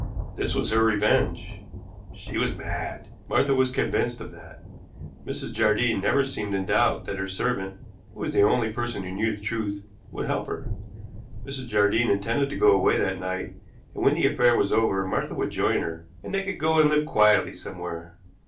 This was her revenge. She was mad; Martha was convinced of that. Mrs. Jardine never seemed in doubt that her servant, who was the only person who knew the truth, would help her. Mrs. Jardine intended to go away that night, and when the affair was over Martha would join her, and they could go and live quietly somewhere.